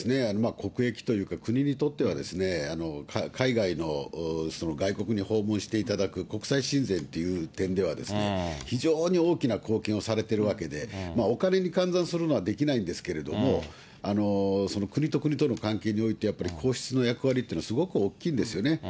国益というか、国にとってはですね、海外の外国に訪問していただく、国際親善っていう点ではですね、非常に大きな貢献をされてるわけで、お金に換算するのはできないんですけれども、国と国との関係において、やっぱり皇室の役割っていうのは、すごく大きいんですよね。